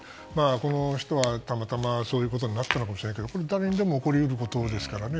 この人はたまたまそういうことになったのかもしれないけどこれ、誰にでも起こり得ることですからね。